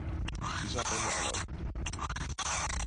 Isabelle aloitti: